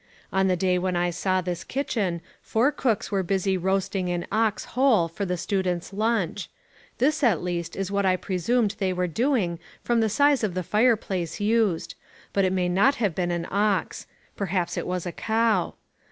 On the day when I saw this kitchen, four cooks were busy roasting an ox whole for the students' lunch: this at least is what I presumed they were doing from the size of the fire place used, but it may not have been an ox; perhaps it was a cow.